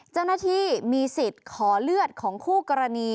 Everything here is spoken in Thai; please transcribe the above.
เจ้าหน้าที่มีสิทธิ์ขอเลือดของคู่กรณี